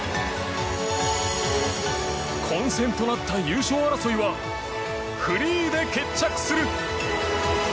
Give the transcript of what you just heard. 混戦となった優勝争いはフリーで決着する！